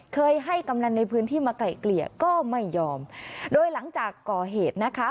เคยให้กำนันในพื้นที่มาไกล่เกลี่ยก็ไม่ยอมโดยหลังจากก่อเหตุนะคะ